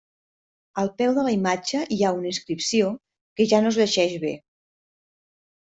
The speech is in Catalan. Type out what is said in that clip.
Al peu de la imatge hi ha una inscripció que ja no es llegeix bé.